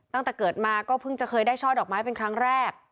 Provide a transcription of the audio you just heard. ตั้งแต่เกิดมาก็เพิ่งจะเคยได้ช่อดอกไม้เป็นครั้งแรก